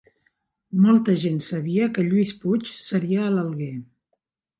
Molta gent sabia que Lluís Puig seria a l'Alguer